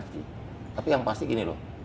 tapi yang pasti gini loh